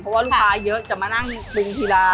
เพราะว่าลูกค้าเยอะจะมานั่งปรุงทีลา